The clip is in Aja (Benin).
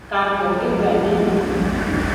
Katon ehwe amenyi.